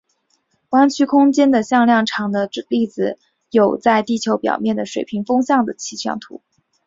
弯曲空间的向量场的例子有在地球表面的水平风速的气象图。